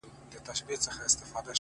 • د ورور په وینو پړسېدلي پیدا نه سمیږو ,